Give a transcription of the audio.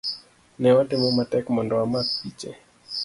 Ne watemo matek mondo wamak piche